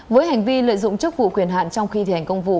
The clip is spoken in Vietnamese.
với hành vi lợi dụng chức vụ quyền hạn trong khi thi hành công vụ